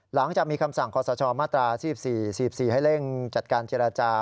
หลังจากมีคำสั่งขอสชมาตรา๔๔ให้เร่งจัดการเจรจา